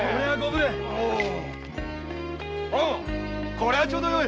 これはちょうどよい！